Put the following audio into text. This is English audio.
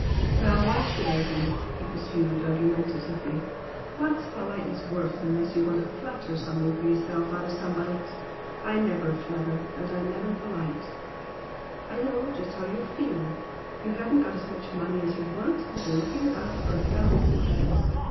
"Now, why should I be?" he pursued, argumentatively "What's politeness worth unless you want to flatter something for yourself out of somebody? I never flatter, and I'm never polite. I know just how you feel, you haven't got as much money as you want and you're looking about for a fellow who HAS.